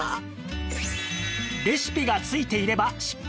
レシピがついていれば失敗なし！